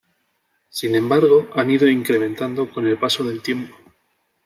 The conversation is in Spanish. Sin embargo, han ido incrementando con el paso del tiempo.